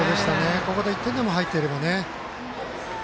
ここで１点でも入っていればね。